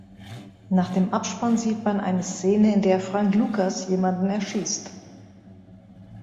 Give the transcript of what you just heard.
Nach dem Abspann sieht man eine Szene, in der Frank Lucas jemanden erschießt.